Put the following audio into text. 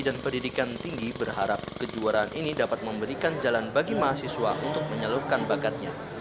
pendidikan tinggi berharap kejuaraan ini dapat memberikan jalan bagi mahasiswa untuk menyalurkan bakatnya